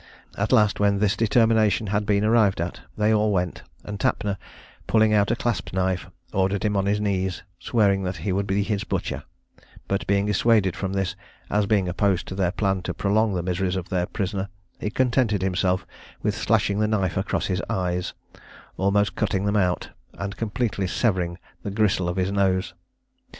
At last, when this determination had been arrived at, they all went, and Tapner pulling out a clasp knife, ordered him on his knees, swearing that he would be his butcher; but being dissuaded from this, as being opposed to their plan to prolong the miseries of their prisoner, he contented himself with slashing the knife across his eyes, almost cutting them out, and completely severing the gristle of his nose.